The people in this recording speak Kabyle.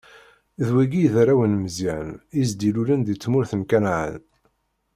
D wigi i d arraw n Meẓyan, i s-d-ilulen di tmurt n Kanɛan.